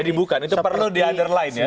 jadi bukan itu perlu di underline ya